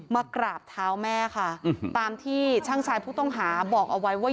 มากราบเท้าแม่ค่ะตามที่ช่างชายผู้ต้องหาบอกเอาไว้ว่า